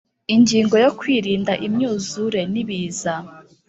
Ingingo yo Kwirinda imyuzure nibiza